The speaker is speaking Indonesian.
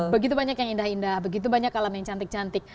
begitu banyak yang indah indah begitu banyak alam yang cantik cantik